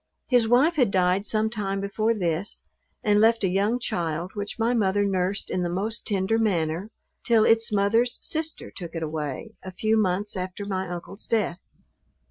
His wife had died some time before this, and left a young child, which my mother nursed in the most tender manner, till its mother's sister took it away, a few months after my uncle's death.